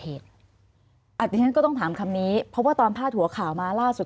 อันนี้ฉันก็ต้องถามคำนี้เพราะว่าตอนพาดหัวข่าวมาล่าสุด